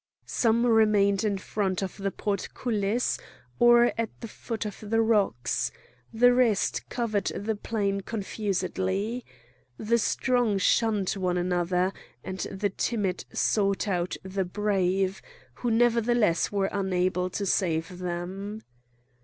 Some remained in front of the portcullis, or at the foot of the rocks; the rest covered the plain confusedly. The strong shunned one another, and the timid sought out the brave, who, nevertheless, were unable to save them.